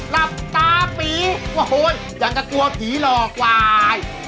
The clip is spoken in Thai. ลับตาผีโอ้โฮยังกะกลัวผีหลอกว่าย